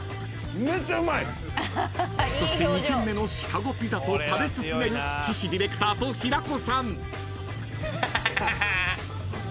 ［そして２軒目のシカゴピザと食べ進める岸ディレクターと平子さん］